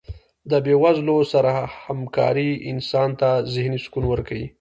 د بې وزلو سره هکاري انسان ته ذهني سکون ورکوي.